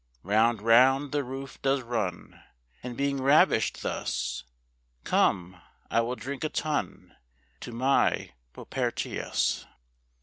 Round, round, the roof does run; And being ravish'd thus, Come, I will drink a tun To my Propertius.